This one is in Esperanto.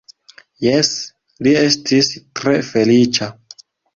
Jes, li estis tre feliĉa.